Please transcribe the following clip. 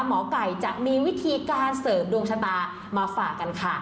หมอไก่จะมีวิธีการเสริมดวงชะตามาฝากกันค่ะ